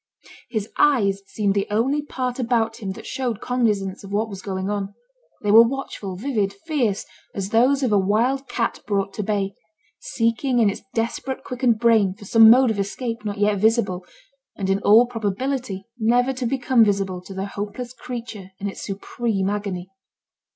His eyes seemed the only part about him that showed cognizance of what was going on. They were watchful, vivid, fierce as those of a wild cat brought to bay, seeking in its desperate quickened brain for some mode of escape not yet visible, and in all probability never to become visible to the hopeless creature in its supreme agony.